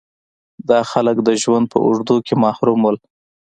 دا خلک د ژوند په اوږدو کې محروم وو.